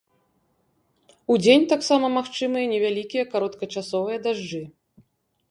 Удзень таксама магчымыя невялікія кароткачасовыя дажджы.